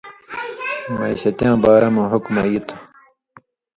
معیشتیاں بارہ مہ حُکمہ ای تھہ۔